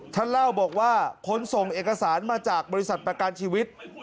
ท่านเล่าบอกว่าคนส่งเอกสารมาจากบริษัทประกันชีวิต